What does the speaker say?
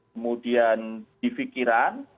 kemudian di fikiran